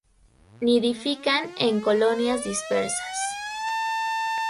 Nidifican en colonias dispersas.